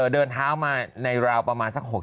เดินท้าวมาราวประมาณสัก